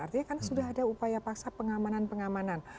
artinya karena sudah ada upaya paksa pengamanan pengamanan